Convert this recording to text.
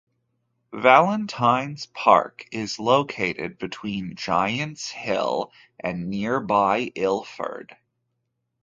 Valentines Park is located between Gants Hill and nearby Ilford.